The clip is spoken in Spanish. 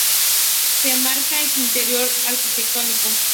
Se enmarca en un interior arquitectónico.